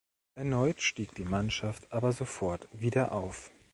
Erneut stieg die Mannschaft aber sofort wieder auf.